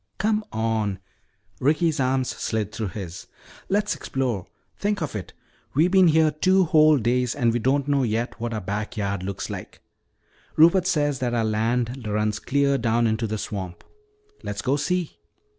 "Come on," Ricky's arm slid through his, "let's explore. Think of it we've been here two whole days and we don't know yet what our back yard looks like. Rupert says that our land runs clear down into the swamp. Let's go see."